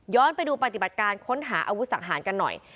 ย้อนไปดูปฏิบัติการค้นหาอวุศักดิ์สังหารกันหน่อย